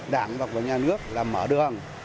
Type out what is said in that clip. đảng và của nhà nước là mở đường